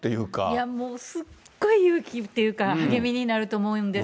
いやもう、すっごい勇気っていうか、励みになると思うんです。